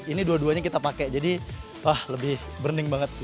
ini dua duanya kita pakai jadi wah lebih burning banget sih